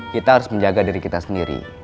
kita harus menjaga diri kita sendiri